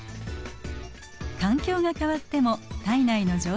環境が変わっても体内の状態は一定です。